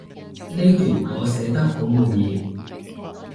呢段我寫得好滿意